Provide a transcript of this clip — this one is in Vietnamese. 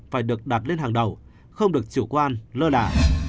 phải được đặt lên hàng đầu không được chủ quan lơ lả